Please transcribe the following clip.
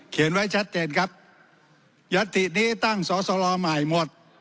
เขียนไว้ชัดเจนครับยัตถีนี้ตั้งสอสลอใหม่หมวด